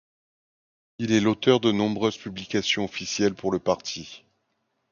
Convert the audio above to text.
Il est l'auteur de nombreuses publications officielles pour le parti.